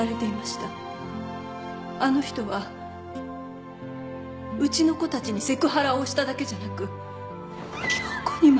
あの人はうちの子たちにセクハラをしただけじゃなく恭子にまで。